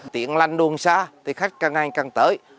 tiện lanh đường xa thì khách càng ngày càng tới